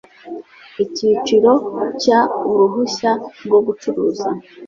icyiciro cya uruhushya rwo gucuruza